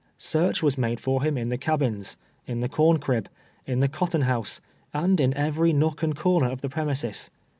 Search was made f )r him in the cabins, in the corn crib, in the cotton house, and in every nook and corner of the premises.